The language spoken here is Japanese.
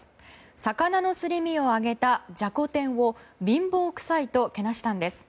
魚のすり身を揚げたじゃこ天を貧乏くさいとけなしたんです。